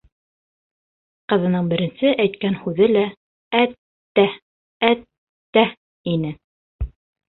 Ҡыҙының беренсе әйткән һүҙе лә «әт-тә, әт-тә» ине...